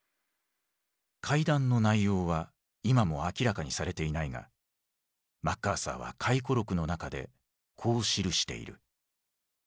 会談の内容は今も明らかにされていないがマッカーサーは回顧録の中でこう記している。